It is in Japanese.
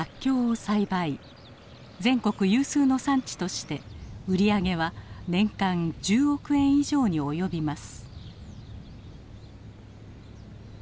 全国有数の産地として売り上げは年間１０億円以上に及びます。